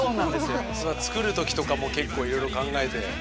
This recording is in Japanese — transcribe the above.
それは作るときとかも結構いろいろ考えて？